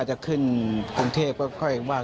ใช่ค่ะ